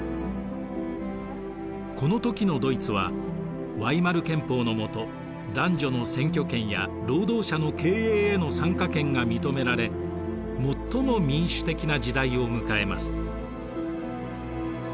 この時のドイツはワイマル憲法の下男女の選挙権や労働者の経営への参加権が認められ最も民主的な時代を迎えます。